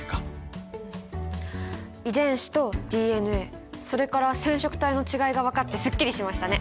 遺伝子とＤＮＡそれから染色体の違いが分かってすっきりしましたね。